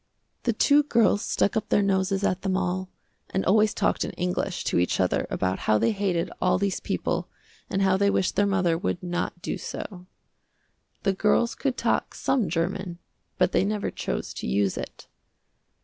The two girls stuck up their noses at them all, and always talked in English to each other about how they hated all these people and how they wished their mother would not do so. The girls could talk some German, but they never chose to use it.